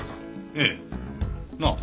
ええ。なあ？